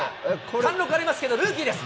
貫禄ありますけどルーキーです。